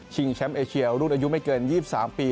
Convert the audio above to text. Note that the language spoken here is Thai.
แชมป์เอเชียรุ่นอายุไม่เกิน๒๓ปี